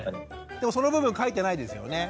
でもその部分書いてないですよね？